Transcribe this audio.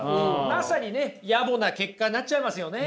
まさにね野暮な結果になっちゃいますよね。